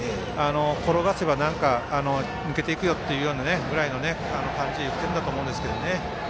転がせば抜けていくよぐらいの感じで言ってるんだと思うんですが。